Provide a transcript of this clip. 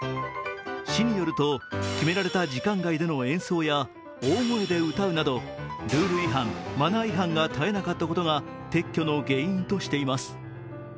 市によると決められた時間外での演奏や大声で歌うなどルール違反・マナー違反が絶えなかったことが撤去の原因としています。